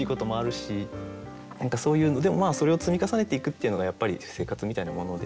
何かそういうでもそれを積み重ねていくっていうのがやっぱり生活みたいなもので。